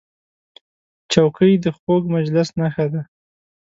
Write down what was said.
چوکۍ د خوږ مجلس نښه ده.